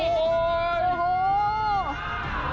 โอ้โห